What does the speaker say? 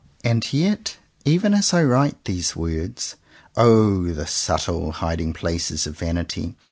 And yet, even as I write these words — the subtle hiding places of vanity!